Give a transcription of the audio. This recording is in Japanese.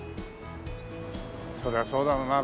そりゃそうだろうな。